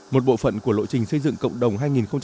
một bộ phận của lộ trình xây dựng cộng đồng